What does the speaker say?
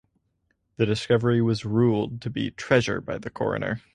The discovery was ruled to be treasure by the coroner.